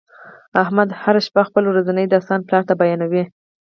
احمد هر شپه خپل ورځنی داستان پلار ته بیانوي.